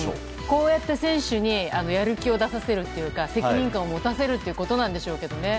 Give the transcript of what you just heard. こうやって選手にやる気を出させるというか責任感を持たせるということなんでしょうね。